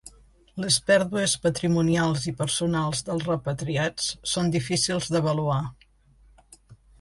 Les pèrdues patrimonials i personals dels repatriats són difícils d'avaluar.